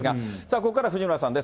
ここからは藤村さんです。